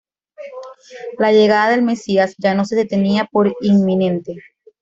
La llegada del mesías ya no se tenía por inminente.